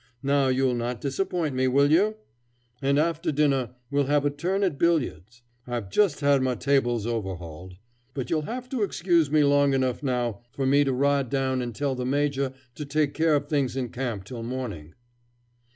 Now you'll not disappoint me, will you? And after dinner we'll have a turn at billiards: I've just had my tables overhauled. But you'll have to excuse me long enough now for me to ride down and tell the major to take care of things in camp till morning."